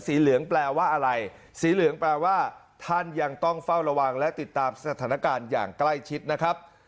เหลืองแปลว่าอะไรสีเหลืองแปลว่าท่านยังต้องเฝ้าระวังและติดตามสถานการณ์อย่างใกล้ชิดนะครับ